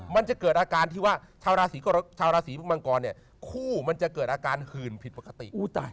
มันจะเกิดอาการที่ว่าชาวราศีชาวราศีมังกรเนี่ยคู่มันจะเกิดอาการหื่นผิดปกติ